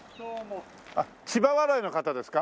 千葉笑いの方ですか？